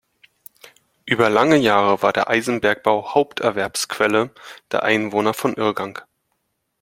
Über lange Jahre war der Eisenbergbau Haupterwerbsquelle der Einwohner von Irrgang.